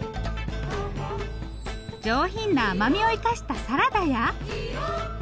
上品な甘みを生かしたサラダや。